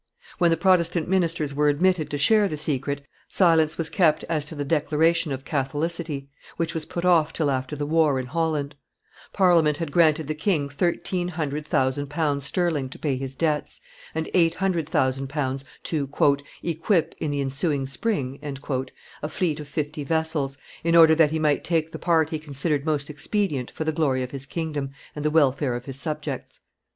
When the Protestant ministers were admitted to share the secret, silence was kept as to the declaration of Catholicity, which was put off till after the war in Holland; Parliament had granted the king thirteen hundred thousand pounds sterling to pay his debts, and eight hundred thousand pounds to "equip in the ensuing spring" a fleet of fifty vessels, in order that he might take the part he considered most expedient for the glory of his kingdom and the welfare of his subjects.